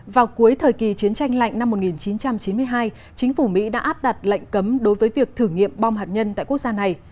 vào cuối thời kỳ chiến tranh lạnh năm một nghìn chín trăm chín mươi hai chính phủ mỹ đã áp đặt lệnh cấm đối với việc thử nghiệm bom hạt nhân tại quốc gia này